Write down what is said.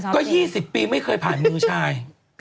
ก็๒๐ปีไม่เคยผ่านมือชาย